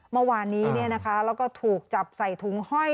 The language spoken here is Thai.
เมื่อวานนี้แล้วก็ถูกจับใส่ถุงห้อย